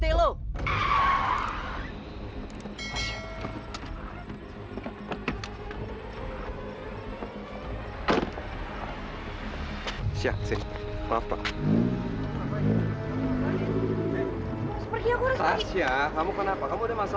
pergi pergi ya kamu kenapa kamu ada masalah pak